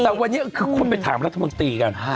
แต่วันนี้คือคนไปถามรัฐมนตรีกัน